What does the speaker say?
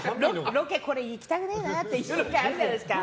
ロケ、これ行きたくねえなって時あるじゃないですか。